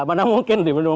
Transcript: mana mungkin di nomor dua